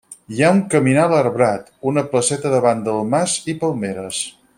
Hi ha un caminal arbrat, una placeta davant del mas i palmeres.